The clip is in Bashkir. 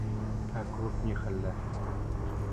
Ә клуб ни хәлдә?